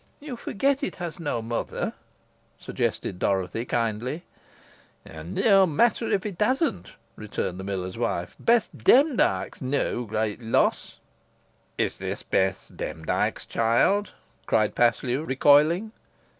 "You forget it has no mother," suggested Dorothy, kindly. "An naw great matter, if it hasn't," returned the miller's wife. "Bess Demdike's neaw great loss." "Is this Bess Demdike's child?" cried Paslew, recoiling.